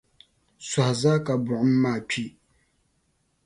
Sohi zaa ka buɣum maa kpi.